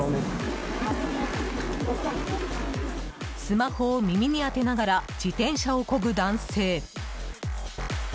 スマホを耳に当てながら自転車をこぐ男性。